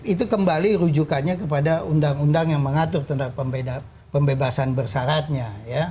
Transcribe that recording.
itu kembali rujukannya kepada undang undang yang mengatur tentang pembebasan bersaratnya